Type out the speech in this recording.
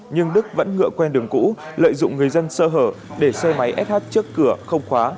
nhưng đức vẫn ngựa quen đường cũ lợi dụng người dân sơ hở để xe máy sh trước cửa không khóa